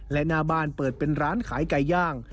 และหน้าบ้านเปิดเป็นร้านขายไก่ย่าง